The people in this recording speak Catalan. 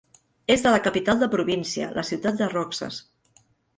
És de la capital de província, la ciutat de Roxas.